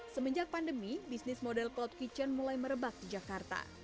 semenjak pandemi bisnis model cloud kitchen mulai merebak di jakarta